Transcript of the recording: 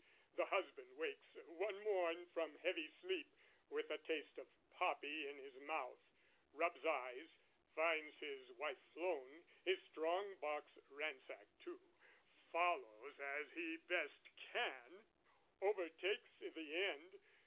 The husband wakes one morn from heavy sleep, With a taste of poppy in his mouth, rubs eyes, Finds his wife flown, his strong box ransacked too, Follows as he best can, overtakes i' the end.